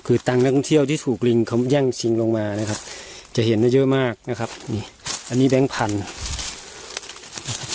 คือตังค์นักท่องเที่ยวที่ถูกลิงเขาแย่งชิงลงมานะครับจะเห็นได้เยอะมากนะครับนี่อันนี้แบงค์พันธุ์